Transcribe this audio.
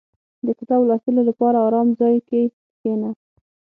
• د کتاب لوستلو لپاره آرام ځای کې کښېنه.